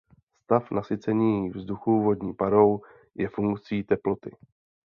Stav nasycení vzduchu vodní párou je funkcí teploty.